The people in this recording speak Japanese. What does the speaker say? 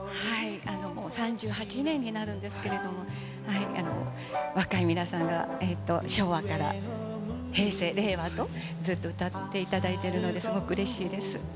もう３８年になるんですけれども、若い皆さんが昭和から平成、令和と、ずっと歌っていただいているので、すごくうれしいです。